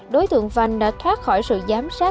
đối tượng vành đã thoát khỏi sự giám sát